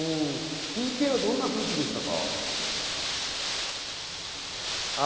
ＰＫはどんな空気でしたか？